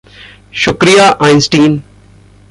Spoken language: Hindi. शुक्रिया, आइंस्टीन.